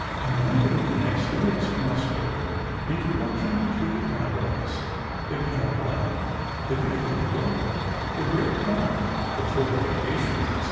Arriving the next day at Strasburg, introduction to the cowboys, the camp life, the cathedral, the great clock, the fortifications, etc.